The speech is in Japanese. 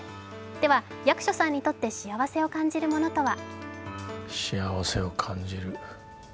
では、役所さんにとって幸せを感じるものとは？